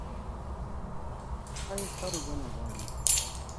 سپي ښه روزنه غواړي.